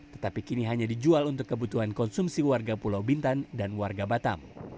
tetapi kini hanya dijual untuk kebutuhan konsumsi warga pulau bintan dan warga batam